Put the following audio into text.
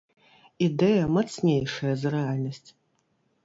Ідэя мацнейшая за рэальнасць.